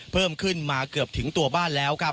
เพิ่มขึ้นมาเกือบถึงตัวบ้านแล้วครับ